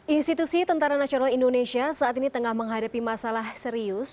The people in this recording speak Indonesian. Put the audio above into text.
institusi tni saat ini tengah menghadapi masalah serius